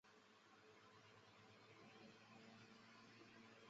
电影剧情叙述五名年轻的医学生尝试进行濒死经验的实验。